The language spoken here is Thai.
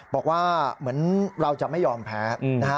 บอกว่าเหมือนเราจะไม่ยอมแพ้นะฮะ